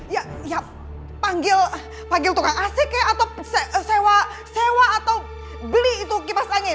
ya ya panggil tukang asik ya atau sewa atau beli itu kipas angin